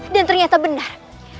dan ternyata benar